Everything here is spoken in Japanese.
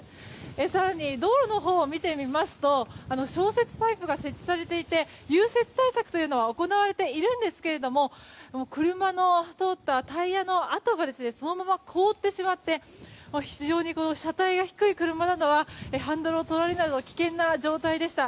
更に、道路のほうを見てみますと消雪パイプが設置されていて融雪対策というのは行われているんですが車の通ったタイヤの跡がそのまま凍ってしまって車体が低い車などはハンドルを取られるなど危険な状態でした。